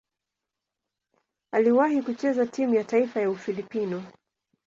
Aliwahi kucheza timu ya taifa ya Ufilipino.